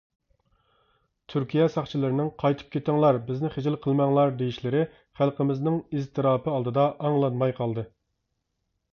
تۈركىيە ساقچىلىرىنىڭ،«قايتىپ كىتىڭلار ، بىزنى خىجىل قىلماڭلار»دېيىشلىرى خەلقىمىزنىڭ ئىزتىراپى ئالدىدا ئاڭلانماي قالدى.